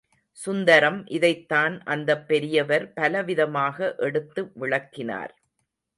சுந்தரம் இதைத்தான் அந்தப் பெரியவர் பல விதமாக எடுத்து விளக்கினார்.